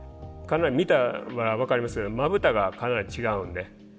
見たら分かりますけどまぶたがかなり違うんで。